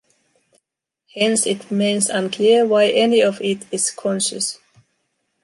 Hence it remains unclear why any of it is conscious.